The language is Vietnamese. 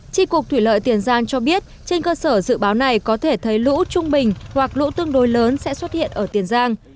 tri cục thủy lợi tiền giang cho biết trên cơ sở dự báo này có thể thấy lũ trung bình hoặc lũ tương đối lớn sẽ xuất hiện ở tiền giang